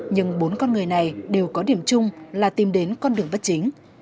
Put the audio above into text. nhưng bốn con người này đều có điểm chung là tìm đến con đường bất chính